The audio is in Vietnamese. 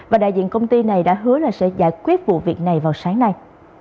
và đại diện công ty này đã hứa là sẽ giải quyết vụ việc này vào sáng nay